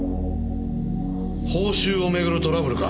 報酬をめぐるトラブルか。